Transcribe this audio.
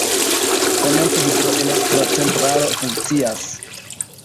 Komence hidroelektra centralo funkcias.